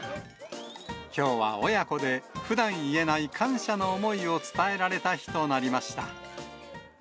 きょうは親子で、ふだん言えない感謝の思いを伝えられた日となりました。